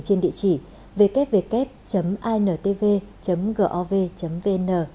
trên địa chỉ www intv gov vn